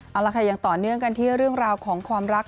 เอาละค่ะยังต่อเนื่องกันที่เรื่องราวของความรัก